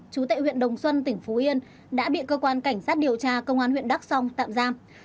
chú tại huyện đồng xuân tỉnh phú yên đã bị cơ quan cảnh sát điều tra công an huyện đắk song tạm giam